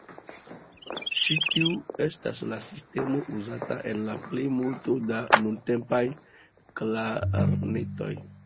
Ĉi tiu estas la sistemo uzata en la plejmulto da nuntempaj klarnetoj.